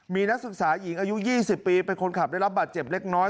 มีนักศึกษาหญิงอายุ๒๐ปีเป็นคนขับได้รับบาดเจ็บเล็กน้อย